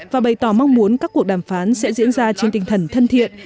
và bày tỏ mong muốn các cuộc đàm phán sẽ diễn ra trên tinh thần thân thiện